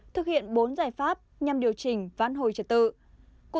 thực hiện bốn giải pháp nhằm điều chỉnh ván hồi trật tự